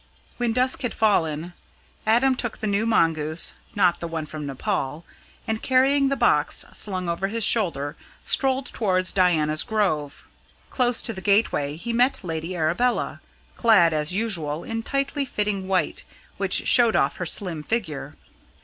When dusk had fallen, Adam took the new mongoose not the one from Nepaul and, carrying the box slung over his shoulder, strolled towards Diana's Grove. Close to the gateway he met Lady Arabella, clad as usual in tightly fitting white, which showed off her slim figure.